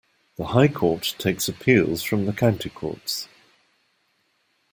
The High Court takes appeals from the County Courts.